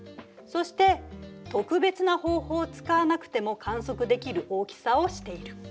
そして特別な方法を使わなくても観測できる大きさをしている。